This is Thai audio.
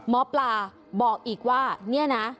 หมอปลาบอกอีกว่าเนี่ยนะ